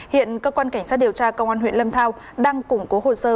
hiện cơ quan cảnh sát điều tra công an huyện lâm thao đang củng cố hồ sơ